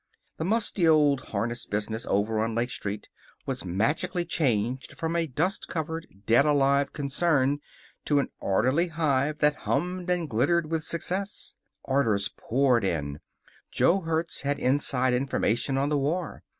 The musty old harness business over on Lake Street was magically changed from a dust covered, dead alive concern to an orderly hive that hummed and glittered with success. Orders poured in. Jo Hertz had inside information on the war.